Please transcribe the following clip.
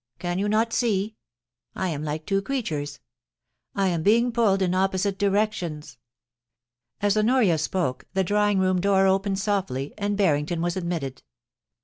Can you not see ? I am like two creatures. I am being pulled in opposite directions ...'* YOU SHALL BE MY FAITH: 245 As Honoria spoke, the drawing room door opened softly, and Barrington was admitted.